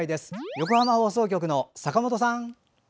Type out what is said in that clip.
横浜放送局の坂本さん。